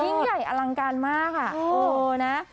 ยิ่งใหญ่อลังการมากอ่ะนะ